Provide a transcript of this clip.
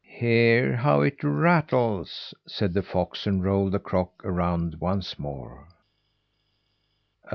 "Hear how it rattles!" said the fox and rolled the crock around once more.